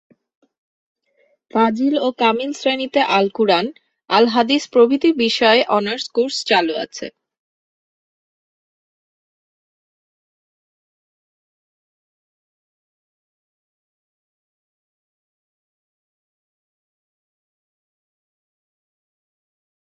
ফাজিল ও কামিল শ্রেণীতে আল কুরআন, আল হাদিস প্রভৃতি বিষয়ে অনার্স কোর্স চালু আছে।